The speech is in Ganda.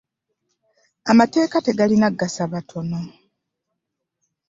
Amateeka tegalina kugasa batono.